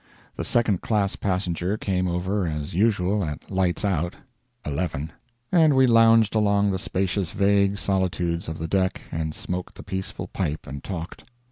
The Second Class Passenger came over as usual at "lights out" (11) and we lounged along the spacious vague solitudes of the deck and smoked the peaceful pipe and talked.